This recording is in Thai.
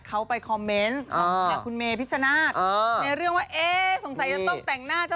เขาไปคอมเมนต์